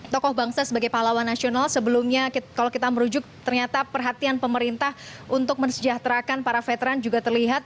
tokoh bangsa sebagai pahlawan nasional sebelumnya kalau kita merujuk ternyata perhatian pemerintah untuk mensejahterakan para veteran juga terlihat